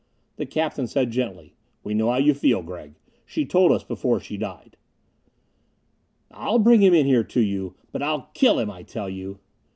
The captain said gently, "We know how you feel, Gregg. She told us before she died." "I'll bring him in here to you! But I'll kill him, I tell you!"